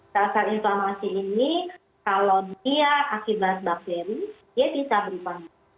dasar inflamasi ini kalau dia akibat bakteri dia bisa berubah